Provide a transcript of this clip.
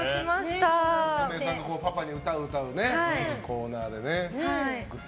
娘さんがパパに歌を歌うコーナーでね。